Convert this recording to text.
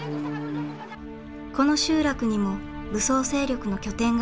この集落にも武装勢力の拠点がありました。